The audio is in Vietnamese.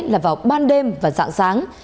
là vào ban đêm và dạng sáng